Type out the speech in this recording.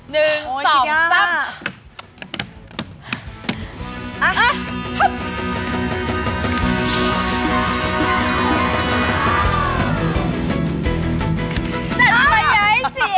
เสร็จไปไงเสีย